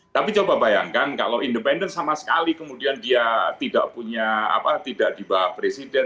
tapi coba bayangkan kalau independen sama sekali kemudian dia tidak dibawa presiden